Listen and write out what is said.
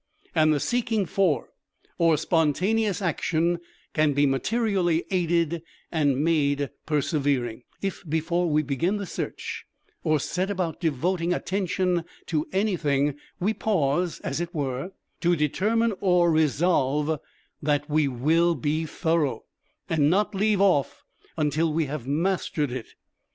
And the "seeking for," or spontaneous action can be materially aided and made persevering, if before we begin the search or set about devoting Attention to anything, we pause, as it were, to determine or resolve that we will be thorough, and not leave off until we shall have mastered it.